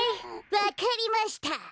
わかりました。